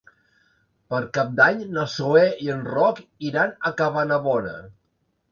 Per Cap d'Any na Zoè i en Roc iran a Cabanabona.